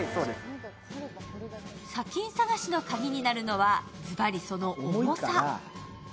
砂金探しの鍵になるのは、ずばりその重さ。